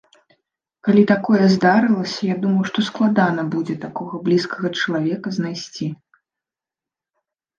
Калі такое здарылася, я думаў, што складана будзе такога блізкага чалавека знайсці.